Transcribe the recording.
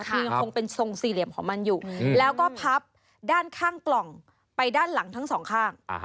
คือยังคงเป็นทรงสี่เหลี่ยมของมันอยู่แล้วก็พับด้านข้างกล่องไปด้านหลังทั้งสองข้าง